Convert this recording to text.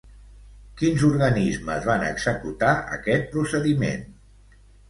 Quins organismes van executar aquest procediment?